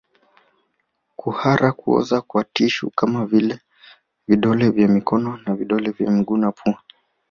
Kuhara kuoza kwa tishu kama vile vidole vya mikono vidole vya miguu na pua